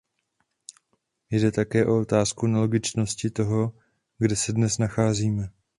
Jde také o otázku nelogičnosti toho, kde se dnes nacházíme.